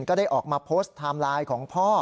ก็ได้ออกมาโพสต์ไทม์ไลน์ของพ่อ